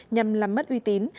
nhằm làm mất uy tín